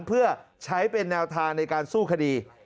เพื่อใช้เป็นแนวทางในการสู้คดี